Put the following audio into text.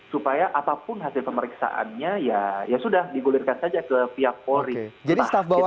supaya apapun hasil pemeriksaannya ya sudah digulirkan saja ke pihak polri